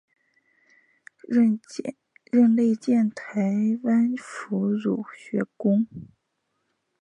任内建台湾府儒学宫。